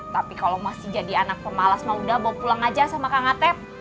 tapi kalau masih jadi anak pemalas mau udah bawa pulang aja sama kang ateb